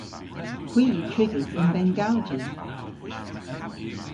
Hwi yw trigys yn bengalji.